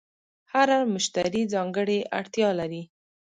هر مشتری ځانګړې اړتیا لري.